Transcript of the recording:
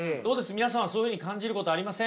皆さんはそういうふうに感じることありません？